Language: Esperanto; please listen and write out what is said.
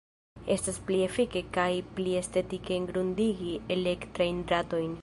Estas pli efike kaj pli estetike engrundigi elektrajn dratojn.